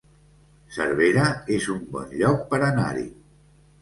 Cervera es un bon lloc per anar-hi